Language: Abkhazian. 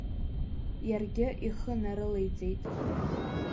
Иаргьы ихы нарылеиҵеит.